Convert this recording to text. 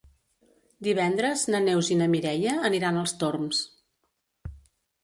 Divendres na Neus i na Mireia aniran als Torms.